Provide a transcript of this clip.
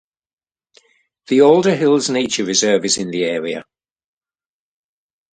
The Alder Hills Nature Reserve is in the area.